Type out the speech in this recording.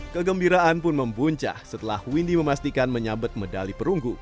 kegembiraan pun membuncah setelah windy memastikan menyabet medali perunggu